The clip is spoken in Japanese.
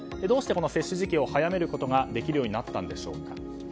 どうしてこの接種時期を早めることができるようになったのでしょうか。